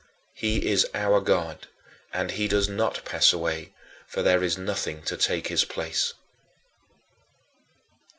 He is our God and he does not pass away, for there is nothing to take his place.